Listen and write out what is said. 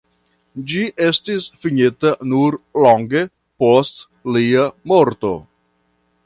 Ĝi estis finita nur longe post lia morto.